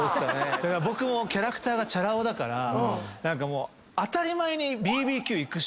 僕もキャラクターがチャラ男だから当たり前に。